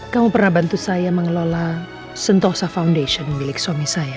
kamu pernah bantu saya mengelola sentosa foundation milik suami saya